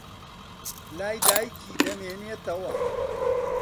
لای دایکی دەمێنێتەوە.